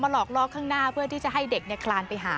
หลอกลอกข้างหน้าเพื่อที่จะให้เด็กคลานไปหา